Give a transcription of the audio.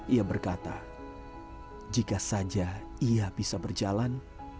ia berkata jika saja ia bisa berjalan